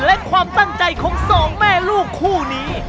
และความตั้งใจของสองแม่ลูกคู่นี้